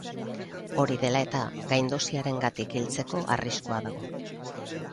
Hori dela eta, gaindosiarengatik hiltzeko arriskua dago.